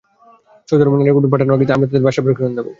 Saudi আরবে নারী কর্মী পাঠানোর আগেই আমরা তাঁদের ভাষার প্রশিক্ষণ দেব।